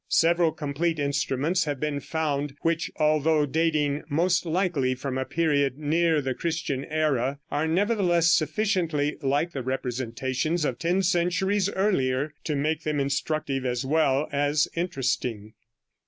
Several complete instruments have been found, which, although dating most likely from a period near the Christian era, are nevertheless sufficiently like the representations of ten centuries earlier to make them instructive as well as interesting.